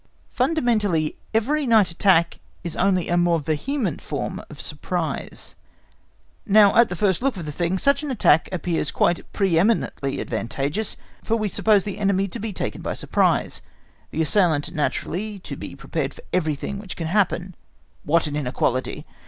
Fundamentally every night attack is only a more vehement form of surprise. Now at the first look of the thing such an attack appears quite pre eminently advantageous, for we suppose the enemy to be taken by surprise, the assailant naturally to be prepared for everything which can happen. What an inequality!